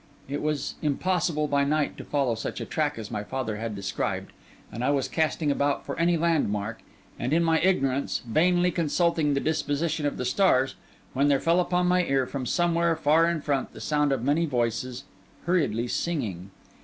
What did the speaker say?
It was impossible by night to follow such a track as my father had described; and I was casting about for any landmark, and, in my ignorance, vainly consulting the disposition of the stars, when there fell upon my ear, from somewhere far in front, the sound of many voices hurriedly singing.